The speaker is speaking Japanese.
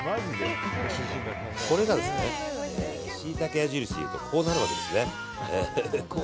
これがですねシイタケ矢印でいうとこうなるわけですね。